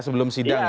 sebelum sidang ya